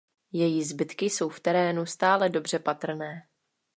Její zbytky jsou v terénu stále dobře patrné.